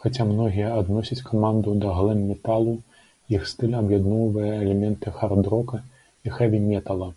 Хаця многія адносяць каманду да глэм-металу, іх стыль аб'ядноўвае элементы хард-рока і хэві-метала.